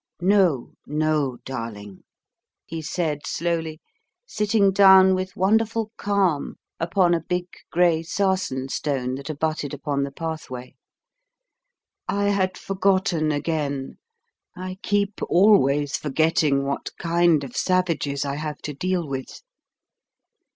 "No, no, darling," he said slowly, sitting down with wonderful calm upon a big grey sarsen stone that abutted upon the pathway; "I had forgotten again; I keep always forgetting what kind of savages I have to deal with.